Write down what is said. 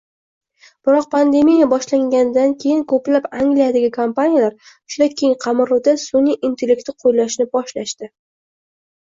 Biroq pandemiya boshlanganidan keyin koʻplab Angliyadagi kompaniyalar juda keng qamrovda sunʼiy intellekti qoʻllashni boshlashdi.